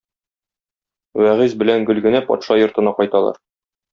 Вәгыйзь белән Гөлгенә патша йортына кайталар.